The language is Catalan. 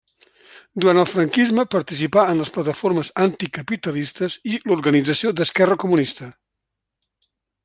Durant el franquisme participà en les Plataformes Anticapitalistes i l'Organització d'Esquerra Comunista.